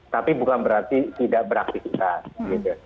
tapi bukan berarti tidak beraktifitas